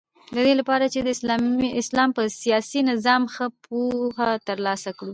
ددې لپاره چی د اسلام په سیاسی نظام ښه پوهه تر لاسه کړو